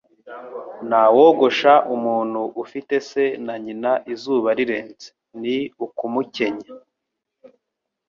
Nta wogosha umuntu ufite se na nyina izuba rirenze, ni ukumukenya